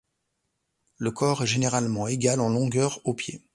Le corps est généralement égal en longueur au pied.